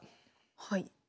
はい。